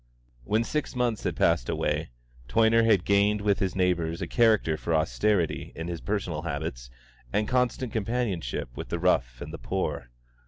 When six months had passed away, Toyner had gained with his neighbours a character for austerity in his personal habits and constant companionship with the rough and the poor.